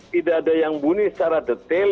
tidak ada yang buni secara detail